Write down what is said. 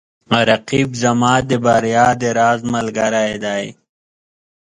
رقیب زما د بریا د راز ملګری دی